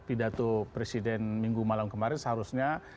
pidato presiden minggu malam kemarin seharusnya